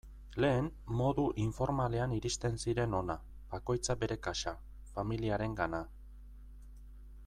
Lehen modu informalean iristen ziren hona, bakoitza bere kasa, familiarengana...